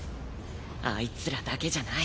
あいつらだけじゃない。